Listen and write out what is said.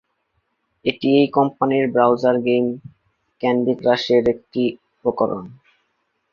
এটি এই কোম্পানির ব্রাউজার গেম "ক্যান্ডি ক্রাশ"-এর একটি প্রকরণ।